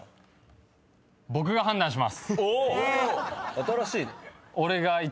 新しいね。